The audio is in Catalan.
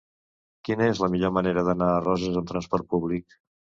Quina és la millor manera d'anar a Roses amb trasport públic?